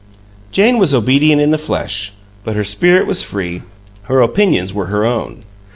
Jane was obedient in the flesh, but her spirit was free; her opinions were her own.